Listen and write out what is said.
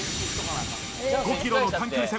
５キロの短距離戦。